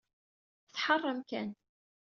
Tḥeṛṛ amkan.